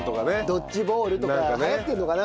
ドッジボールとか流行ってるのかな？